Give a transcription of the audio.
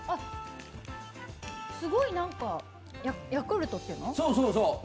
すごいなんかヤクルトっていうの？